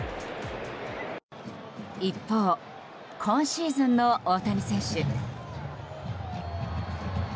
一方、今シーズンの大谷選手。